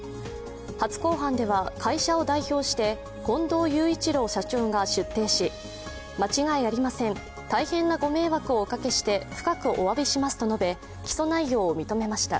初公判では会社を代表して近藤雄一郎社長が出廷し間違いありません、大変なご迷惑をおかけして深くおわびしますと述べ起訴内容を認めました。